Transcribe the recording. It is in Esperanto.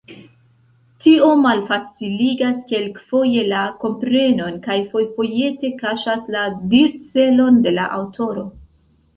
Tio malfaciligas kelkfoje la komprenon, kaj fojfojete kaŝas la dircelon de la aŭtoro.